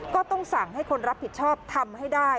ก็ต้องสั่งให้คนรับผิดชอบทำให้ได้